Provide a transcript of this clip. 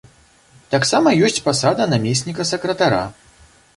Таксама ёсць пасада намесніка сакратара.